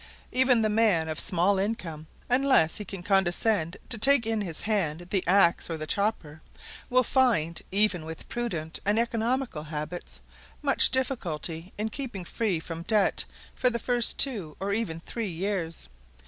Even the man of small income, unless he can condescend to take in hand the axe or the chopper, will find, even with prudent and economical habits, much difficulty in keeping free from debt for the first two or even three years.